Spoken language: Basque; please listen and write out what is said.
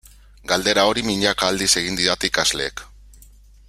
Galdera hori milaka aldiz egin didate ikasleek.